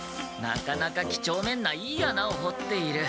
なかなかきちょうめんないい穴を掘っている。